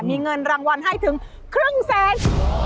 มีเงินรางวัลให้ถึงครึ่งแสน